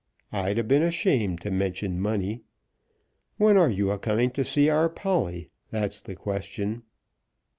I'd a' been ashamed to mention money. When are you a coming to see our Polly, that's the question?"